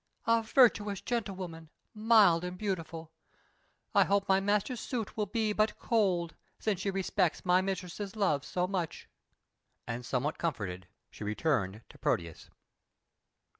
"A virtuous gentlewoman, mild and beautiful! I hope my master's suit will be but cold, since she respects my mistress's love so much." And somewhat comforted she returned to Proteus.